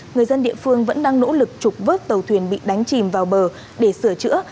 người dân địa phương vẫn đang nỗ lực trục vớt tàu thuyền bị đánh chìm vào bờ để sửa chữa